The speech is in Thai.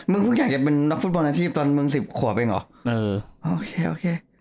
มึงพึ่งอยากจะเป็นนักฟุตบอลนาชีพเมื่อ๑๐ขวบเองเหรออ่าวโอเค